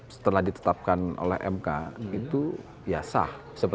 setelah ditetapkan oleh mk itu ya sah